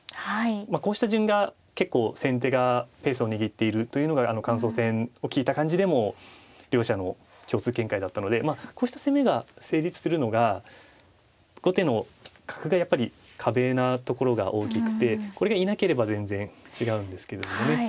こうした順が結構先手がペースを握っているというのが感想戦を聞いた感じでも両者の共通見解だったのでこうした攻めが成立するのが後手の角がやっぱり壁なところが大きくてこれがいなければ全然違うんですけれどもね。